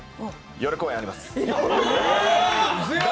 夜公演あります。